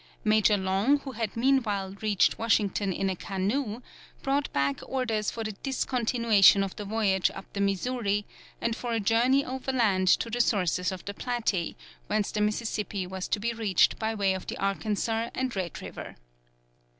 Major Long, who had meanwhile reached Washington in a canoe, brought back orders for the discontinuation of the voyage up the Missouri, and for a journey overland to the sources of the Platte, whence the Mississippi was to be reached by way of the Arkansas and Red River.